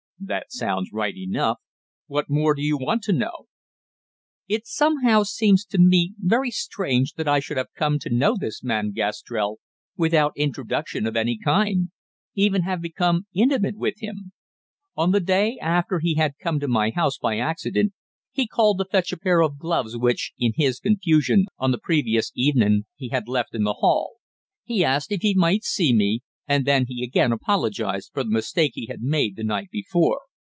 "That sounds right enough. What more do you want to know?" "It somehow seems to me very strange that I should have come to know this man, Gastrell, without introduction of any kind even have become intimate with him. On the day after he had come to my house by accident, he called to fetch a pair of gloves which, in his confusion on the previous evenin', he had left in the hall. He asked if he might see me, and then he again apologized for the mistake he had made the night before.